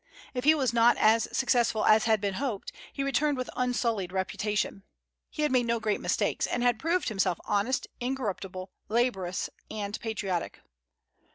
If he was not as successful as had been hoped, he returned with unsullied reputation. He had made no great mistakes, and had proved himself honest, incorruptible, laborious, and patriotic.